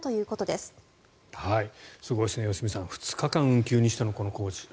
すごいですね、良純さん２日間運休にしての工事。